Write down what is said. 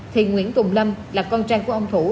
thì nguyễn tùng lâm là con trai của ông thủ